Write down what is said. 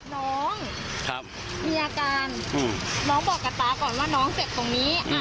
น้องมีอาการน้องบอกกับตาก่อนว่าน้องเจ็บตรงนี้